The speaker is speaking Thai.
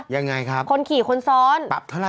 ยังไงครับปับเท่าไหร่หรือเปล่าคนขี่คนซ้อน